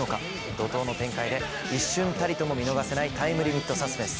怒濤の展開で一瞬たりとも見逃せないタイムリミットサスペンス。